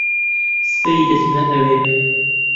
سبەی دەچمە ئەوێ.